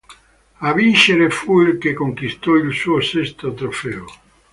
A vincere fu il che conquistò il suo sesto trofeo.